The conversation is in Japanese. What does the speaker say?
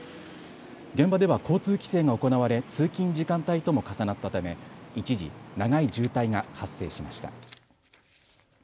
現場では交通規制が行われ通勤時間帯とも重なったため一時、長い渋滞が発生しました。